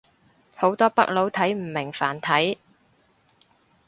好多北佬睇唔明繁體